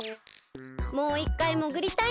もういっかいもぐりたいな。